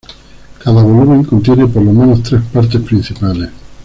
Cada volumen contiene por lo menos tres partes principales.